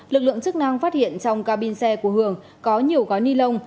lực lượng chức năng phát hiện trong ca bin xe của hương có nhiều gói ni lông